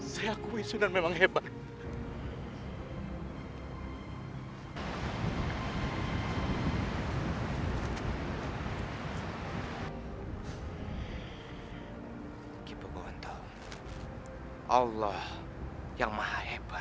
sampai jumpa di video selanjutnya